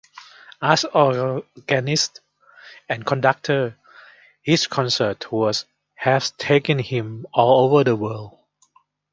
As organist and conductor his concert tours have taken him all over the world.